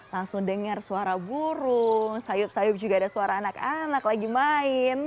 langsung dengar suara burung sayup sayup juga ada suara anak anak lagi main